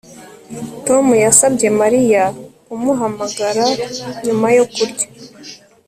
Tom yasabye Mariya kumuhamagara nyuma yo kurya